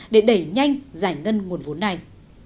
để đẩy nhanh giải ngân nguồn vốn này